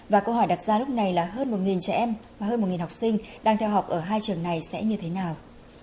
và câu hỏi đặt ra lúc này là hơn một trẻ em và hơn một học sinh đang theo học ở hai trường này sẽ như thế nào